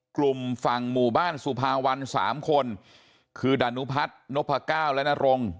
กลุ่มฝั่งหมู่บ้านสุภาวันสามคนคือดานุพัฒน์นพก้าวและนรง